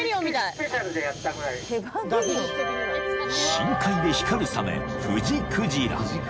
［深海で光るサメフジクジラ］